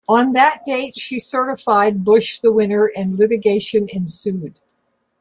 On that date, she certified Bush the winner and litigation ensued.